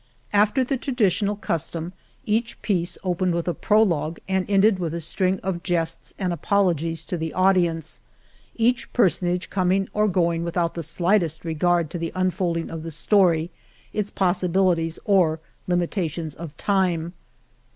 After the traditional custom, each piece opened with a prologue and ended with a string of jests and apologies to the audience ; each personage coming or going without the slightest regard to the un folding of the story, its possibilities, or lim itations of time.